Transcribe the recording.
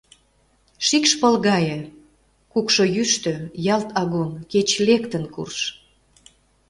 Шикш — пыл гае, кукшо йӱштӧ — ялт агун, кеч лектын курж.